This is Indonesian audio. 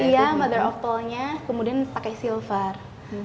iya mother of pearl nya kemudian pakai silver